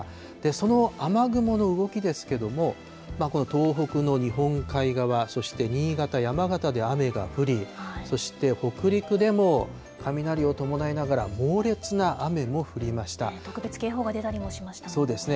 その雨雲の動きですけれども、この東北の日本海側、そして新潟、山形で雨が降り、そして、北陸でも雷を伴いながら猛烈な雨も降り特別警報が出たりもしましたそうですね。